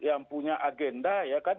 yang punya agenda ya kan